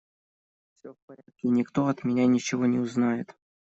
Все в порядке, и никто от меня ничего не узнает.